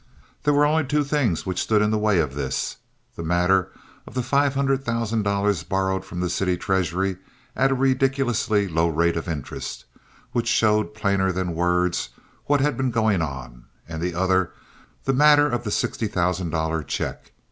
There were only two things which stood in the way of this: the matter of the five hundred thousand dollars borrowed from the city treasury at a ridiculously low rate of interest, which showed plainer than words what had been going on, and the other, the matter of the sixty thousand dollar check.